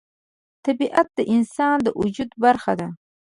طبیعت د انسان د وجود برخه ده.